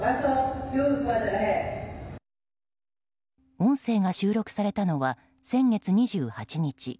音声が収録されたのは先月２８日。